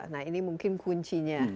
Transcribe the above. nah ini mungkin kuncinya